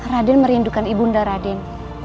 raden merindukan ibu nda raden